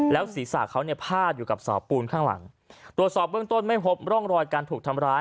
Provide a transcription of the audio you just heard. ศีรษะเขาเนี่ยพาดอยู่กับเสาปูนข้างหลังตรวจสอบเบื้องต้นไม่พบร่องรอยการถูกทำร้าย